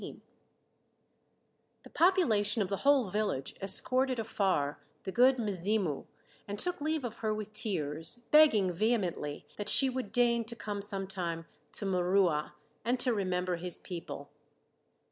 XVIII The population of the whole village escorted afar the "Good Mzimu" and took leave of her with tears, begging vehemently that she would deign to come sometime to M'Rua, and to remember his people.